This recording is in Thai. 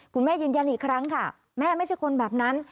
ยืนยันอีกครั้งค่ะแม่ไม่ใช่คนแบบนั้น